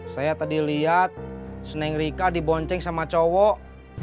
saya tadi liat seneng rika dibonceng sama cowok